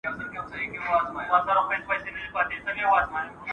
نه مرهم مي دي لیدلي نه مي څرک د طبیبانو